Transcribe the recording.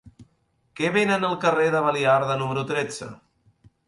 Què venen al carrer de Baliarda número tretze?